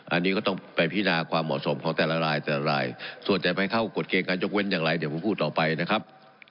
อันนี้ก็ต้องไปพินาความเหมาะสมของแต่ละรายแต่ละรายส่วนจะไปเข้ากฎเกณฑ์การยกเว้นอย่างไรเดี๋ยวผมพูดต่อไปนะครับ